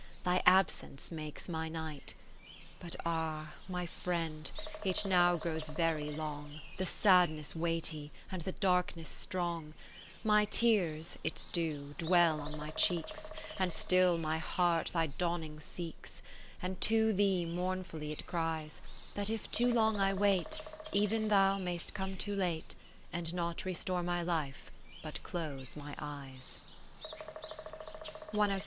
Thy absence makes my night. But ah ! my friend, it now grows very long. The sadness weighty, and the dark ness strong : My tears (its due ') dwell on my cheeks, And still my heart thy dawning seeks, 20 And to thee mournfully it cries, That if too long I wait, Ev'n thou mayst come too late, And not restore my life, but close my eyes.